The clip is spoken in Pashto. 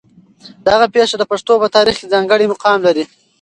دغه پېښه د پښتنو په تاریخ کې ځانګړی مقام لري.